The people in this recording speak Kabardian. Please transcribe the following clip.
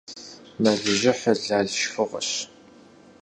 Мэлыжьыхьыр лал шхыгъуэщ.